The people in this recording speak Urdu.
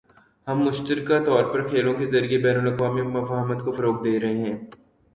ہم مشترکہ طور پر کھیلوں کے ذریعے بین الاقوامی مفاہمت کو فروغ دے رہے ہیں